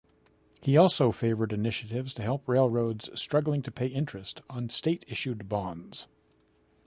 He also favored initiatives to help railroads struggling to pay interest on state-issued bonds.